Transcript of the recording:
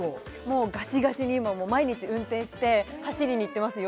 もうガシガシに毎日運転して走りに行ってます